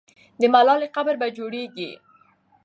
د ملالۍ قبر به جوړېږي.